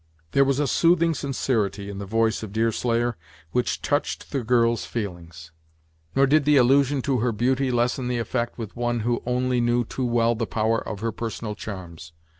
There was a soothing sincerity in the voice of Deerslayer, which touched the girl's feelings; nor did the allusion to her beauty lessen the effect with one who only knew too well the power of her personal charms.